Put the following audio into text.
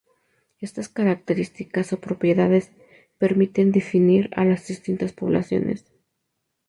Estas características o propiedades permiten definir a las distintas poblaciones.